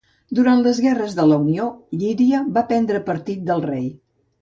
Durant les guerres de la Unió, Llíria va prendre partit del rei.